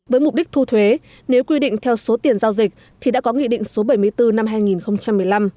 với mục đích thu thuế nếu quy định theo số tiền giao dịch thì đã có nghị định số bảy mươi bốn năm hai nghìn một mươi năm